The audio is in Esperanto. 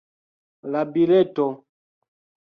La bileto